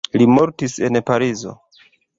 Li mortis en Parizo.